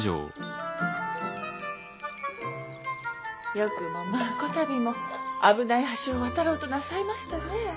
よくもまあこたびも危ない橋を渡ろうとなさいましたね。